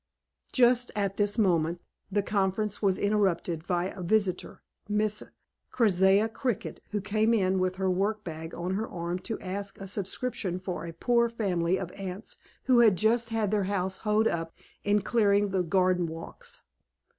Just at this moment the conference was interrupted by a visitor, Miss Keziah Cricket, who came in with her work bag on her arm to ask a subscription for a poor family of Ants who had just had their house hoed up in clearing the garden walks.